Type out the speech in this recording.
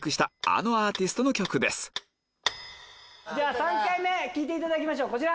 ３回目聴いていただきましょうこちら。